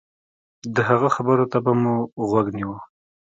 د هغه خبرو ته به مو غوږ نيوه.